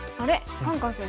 カンカン先生